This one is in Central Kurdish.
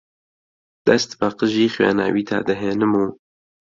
دەست بە قژی خوێناویتا دەهێنم و